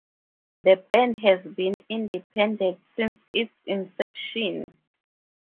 The band has been independent since its inception.